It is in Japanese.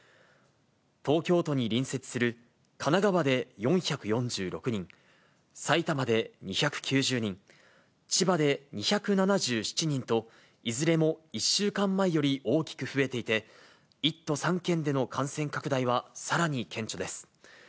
東京都に隣接する神奈川で４４６人、埼玉で２９０人、千葉で２７７人と、いずれも１週間前より大きく増えていて、１都３県での感染拡大はさらに顕著です。